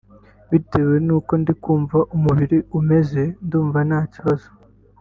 bitewe nuko ndi kumva umubiri umeze ndumva nta kibazo